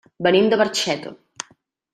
Venim de Barxeta.